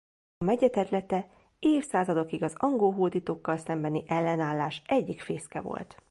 A megye területe évszázadokig az angol hódítókkal szembeni ellenállás egyik fészke volt.